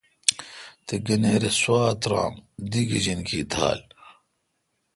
تے°گنیر اے°سوا ترامدی گجینکی تھال۔